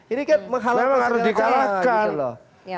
ini kan mengalahkan segala jalan